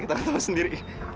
kita gak tahu sendiri